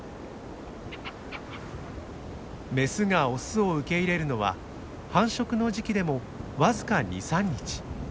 メスがオスを受け入れるのは繁殖の時期でも僅か２３日。